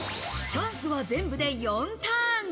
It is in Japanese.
チャンスは全部で４ターン。